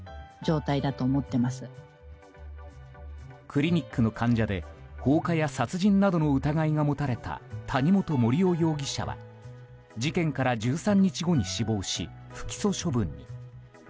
クリニックの患者で放火や殺人などの疑いが持たれた谷本盛雄容疑者は事件から１３日後に死亡し不起訴処分に。